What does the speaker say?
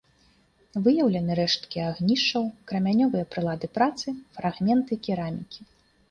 Выяўлены рэшткі агнішчаў, крамянёвыя прылады працы, фрагменты керамікі.